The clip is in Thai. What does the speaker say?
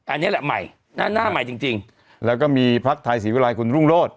อันนี้แหละใหม่หน้าใหม่จริงแล้วก็มีพักไทยศรีวิรัยคุณรุ่งโรธ